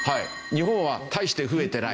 日本は大して増えてない。